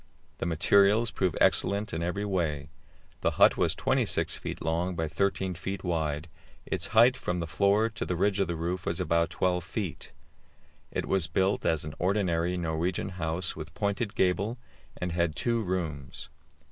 The materials proved excellent in every way. The hut was 26 feet long by 13 feet wide; its height from the floor to the ridge of the roof was about 12 feet. It was built as an ordinary Norwegian house, with pointed gable, and had two rooms.